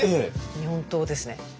日本刀ですね。